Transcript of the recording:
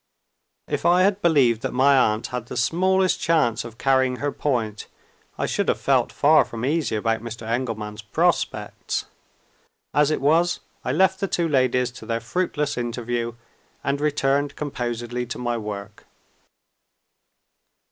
If I had believed that my aunt had the smallest chance of carrying her point, I should have felt far from easy about Mr. Engelman's prospects. As it was, I left the two ladies to their fruitless interview, and returned composedly to my work.